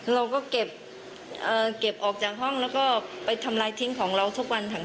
เราก็เก็บออกจากห้องแล้วก็ไปทำลายทิ้งของเราทุกวันถัง